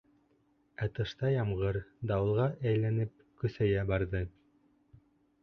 Ә тышта ямғыр, дауылға әйләнеп, көсәйә барҙы...